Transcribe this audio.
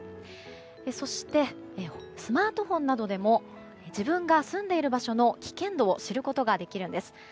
そして、スマートフォンなどでも自分が住んでいる場所の危険度を知ることができるんです。